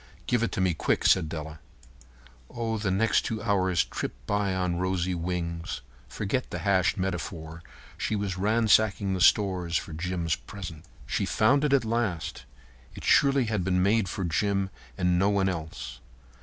"Give it to me quick," said Della. Oh, and the next two hours tripped by on rosy wings. Forget the hashed metaphor. She was ransacking the stores for Jim's present. She found it at last. It surely had been made for Jim and no one else.